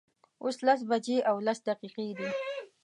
اوس لس بجې او لس دقیقې دي